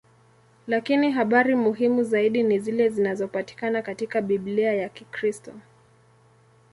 Lakini habari muhimu zaidi ni zile zinazopatikana katika Biblia ya Kikristo.